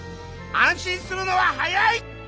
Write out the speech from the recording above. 安心するのは早い！